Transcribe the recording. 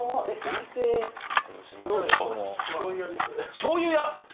しょうゆ屋！